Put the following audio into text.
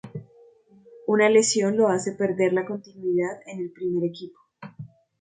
Una lesión lo hace perder la continuidad en el primer equipo.